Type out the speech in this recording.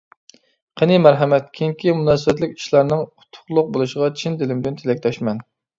قېنى مەرھەمەت. كېيىنكى مۇناسىۋەتلىك ئىشلارنىڭ ئۇتۇقلۇق بولۇشىغا چىن دىلىمدىن تىلەكداشمەن!